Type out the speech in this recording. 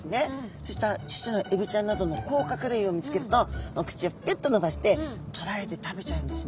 そうしたちっちゃなエビちゃんなどの甲殻類を見つけるとお口をピュッと伸ばしてとらえて食べちゃうんですね。